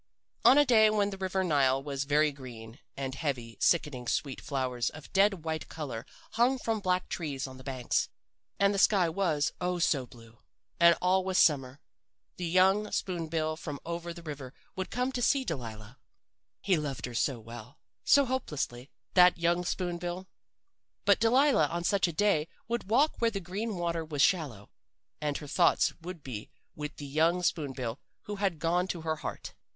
"On a day when the river Nile was very green, and heavy sickening sweet flowers of dead white color hung from black trees on the banks, and the sky was, oh, so blue, and all was summer, the young spoon bill from over the river would come to see Delilah. He loved so well so hopelessly that young spoon bill! But Delilah on such a day would walk where the green water was shallow, and her thoughts would be with the young spoon bill who had gone to her heart.